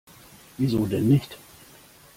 Wieso denn nicht?